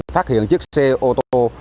phát hiện chiếc xe ô tô